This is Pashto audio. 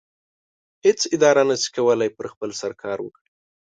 هیڅ اداره نشي کولی په خپل سر کار وکړي.